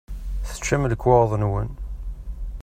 Teččam lekwaɣeḍ-nwen.